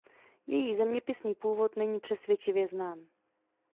Její zeměpisný původ není přesvědčivě znám.